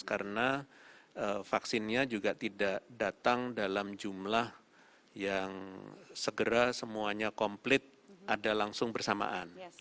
karena vaksinnya juga tidak datang dalam jumlah yang segera semuanya komplit ada langsung bersamaan